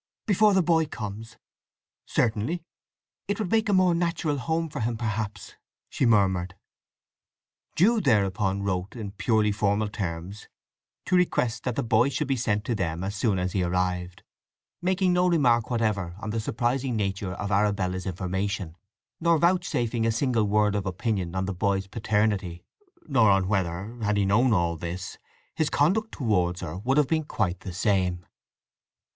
"Before the boy comes?" "Certainly." "It would make a more natural home for him, perhaps," she murmured. Jude thereupon wrote in purely formal terms to request that the boy should be sent on to them as soon as he arrived, making no remark whatever on the surprising nature of Arabella's information, nor vouchsafing a single word of opinion on the boy's paternity, nor on whether, had he known all this, his conduct towards her would have been quite the same.